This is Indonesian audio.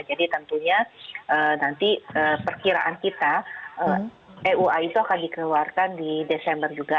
jadi tentunya nanti perkiraan kita eua itu akan dikeluarkan di desember juga